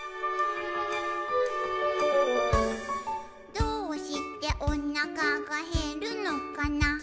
「どうしておなかがへるのかな」